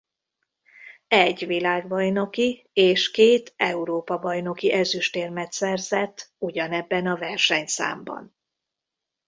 Egy világbajnoki és két Európa-bajnoki ezüstérmet szerzett ugyanebben a versenyszámban.